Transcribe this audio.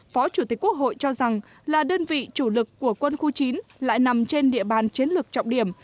phó chủ tịch quốc hội cho rằng là đơn vị chủ lực của quân khu chín lại nằm trên địa bàn chiến lược trọng điểm